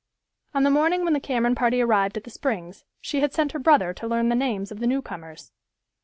On the morning when the Cameron party arrived at the Springs, she had sent her brother to learn the names of the newcomers.